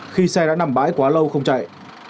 khi xe đã nằm bãi quá lâu không chạy